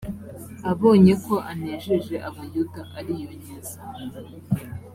abonye ko anejeje abayuda ariyongeza